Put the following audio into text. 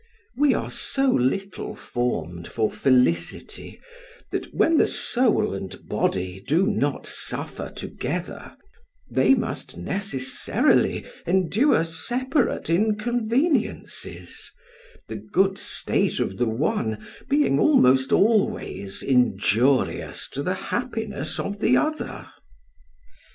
We are so little formed for felicity, that when the soul and body do not suffer together, they must necessarily endure separate inconveniences, the good state of the one being almost always injurious to the happiness of the other.